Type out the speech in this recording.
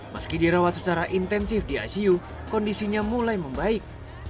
meski dirawat secara intensif di icu kondisinya mulai membaik